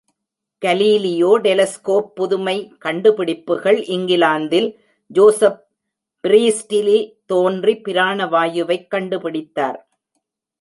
Galileo telescope புதுமைக் கண்டுபிடிப்புகள் இங்கிலாந்தில் ஜோசப் பிரீஸ்டிலி தோன்றி பிராண வாயுவைக் கண்டு பிடித்தார்.